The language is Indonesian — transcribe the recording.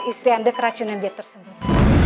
istri anda keracunan dia tersebut